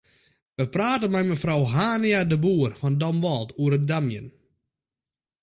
We prate mei mefrou Hania-de Boer fan Damwâld oer it damjen.